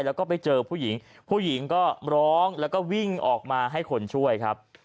แล้วก็ไปเจอผู้หญิงผู้หญิงก็ร้องแล้วก็วิ่งออกมาให้คนช่วยครับ